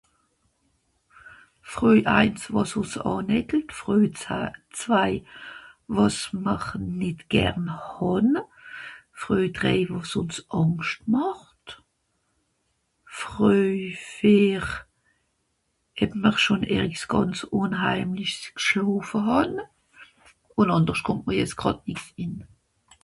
Freuj ains wàs Hòsse hàn het Freuj za zwai wàs mr nìt gern hàn Freuj drei wàs ùns àngscht màcht Freuj veer heb mr schòn erichs gànz ùnhaimlisch g'schlàfe hàn ùn àndersch kòmmt'mr jetz gràd nìx hin